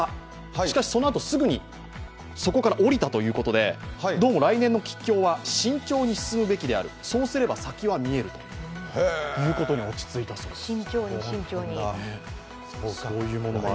しかしそこから下りたということでどうも来年の吉凶は慎重に進むべきであるそうすれば先は見えるということに落ち着いたそうです。